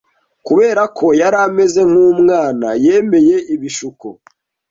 Kubera ko yari ameze nk'umwana, yemeye ibishuko.